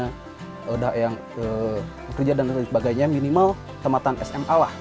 sudah yang bekerja dan lain sebagainya minimal kematan sma lah